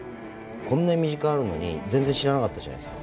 こんな身近にあるのに全然知らなかったじゃないですか。